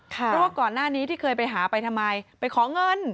เพราะว่าก่อนหน้านี้ที่เคยไปหาไปทำไมไปขอเงิน